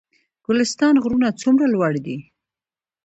ګلستان غرونه څومره لوړ دي؟